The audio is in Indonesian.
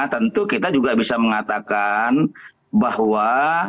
tentu kita juga bisa mengatakan bahwa